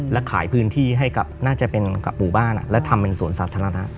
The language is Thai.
และขายพื้นที่ให้กับน่าจะเป็นกับหมู่บ้านและทำเป็นสวนสาธารณะ